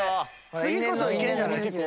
次こそいけるんじゃない？